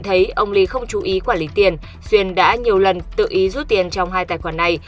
thấy ông lý không chú ý quản lý tiền xuyên đã nhiều lần tự ý rút tiền trong hai tài khoản này